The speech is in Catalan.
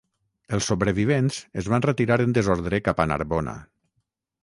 Els sobrevivents es van retirar en desordre cap a Narbona.